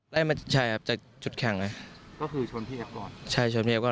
มาใช่ครับจากจุดแข่งเลยก็คือชนพี่เอฟก่อนใช่ชนพี่เอฟก่อน